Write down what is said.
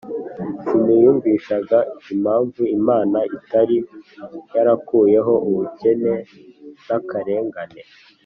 siniyumvishaga impamvu Imana itari yarakuyeho ubukene n akarengane